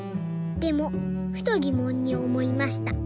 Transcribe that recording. でもふとぎもんにおもいました。